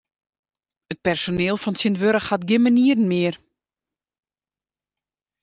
It personiel fan tsjintwurdich hat gjin manieren mear.